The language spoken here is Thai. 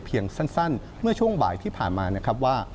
สั้นเมื่อช่วงบ่ายที่ผ่านมานะครับว่า